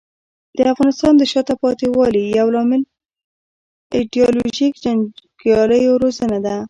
د افغانستان د شاته پاتې والي یو ستر عامل ایډیالوژیک جنګیالیو روزنه ده.